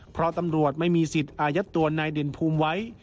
เพราะตำรวจไม่มีสิทธิ์อายัดตัวนายเด่นภูมิไว้